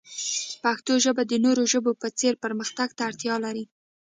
پښتو ژبه د نورو ژبو په څیر پرمختګ ته اړتیا لري.